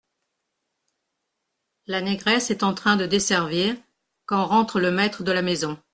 La négresse est en train de desservir, quand rentre le maître de la maison.